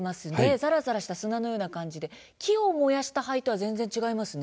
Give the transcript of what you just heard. ざらざらした砂のような感じで木を燃やした灰とは全然違いますね。